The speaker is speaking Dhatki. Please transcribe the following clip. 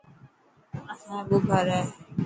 اسايا ٻه گھر هي.